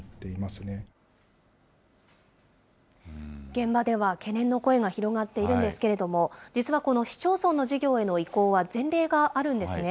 現場では懸念の声が広がっているんですけれども、実は、この市町村の事業への移行は前例があるんですね。